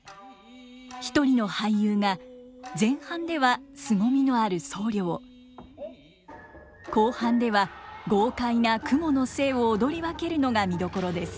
一人の俳優が前半では凄みのある僧侶を後半では豪快な蜘蛛の精を踊り分けるのが見どころです。